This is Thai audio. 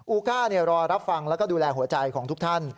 อูการอรับฟังและดูแลหัวใจของทุกท่าน